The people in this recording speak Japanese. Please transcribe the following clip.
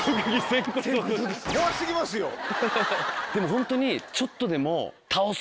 でもホントにちょっとでも。